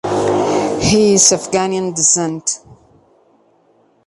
He is of Ghanaian descent.